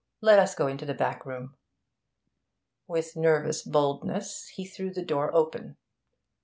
Let us go into the back room.' With nervous boldness he threw the door open.